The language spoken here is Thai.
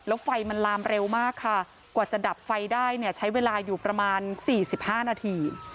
แล้วไฟมันลามเร็วมากค่ะกว่าจะดับไฟได้เนี่ยใช้เวลาอยู่ประมาณ๔๕นาที